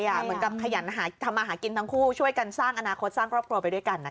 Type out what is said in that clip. เหมือนกับขยันทำมาหากินทั้งคู่ช่วยกันสร้างอนาคตสร้างครอบครัวไปด้วยกัน